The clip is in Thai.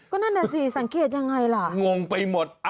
นั่นแหละสิสังเกตยังไงล่ะงงไปหมด